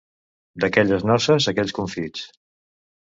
D'aquelles noces, aquests confits.